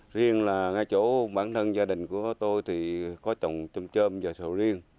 riêng là ngay chỗ bản thân gia đình của tôi thì có trồng trôm trôm và sầu riêng